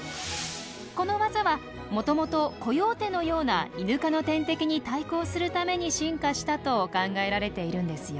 このワザはもともとコヨーテのようなイヌ科の天敵に対抗するために進化したと考えられているんですよ。